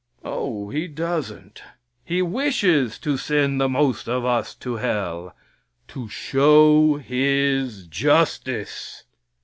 Oh, He doesn't. He wishes to send the most of us to hell to show His justice.